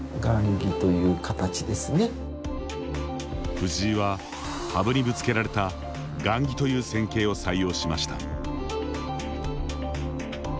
藤井は羽生にぶつけられた雁木という戦型を採用しました。